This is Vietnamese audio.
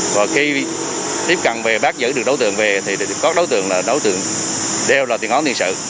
và khi tiếp cận về bác giữ được đối tượng về thì các đối tượng đều là tiền ngón tiền sự